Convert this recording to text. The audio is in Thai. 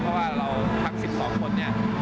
เพราะว่าเราทั้ง๑๒คนเนี่ย